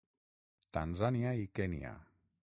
Tanzània i Kenya.